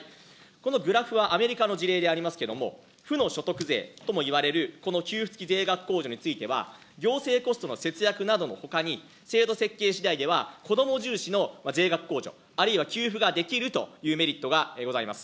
このグラフはアメリカの事例でありますけれども、負の所得税ともいわれるこの給付付き税額控除につきましては、行政コストの節約などのほかに、制度設計しだいでは子ども重視の税額控除、あるいは給付ができるというメリットがございます。